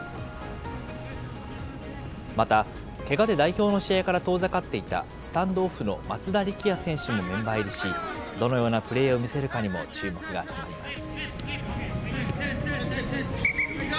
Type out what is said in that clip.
また、けがで代表の試合から遠ざかっていたスタンドオフの松田力也選手もメンバー入りし、どのようなプレーを見せるのかにも注目が集まります。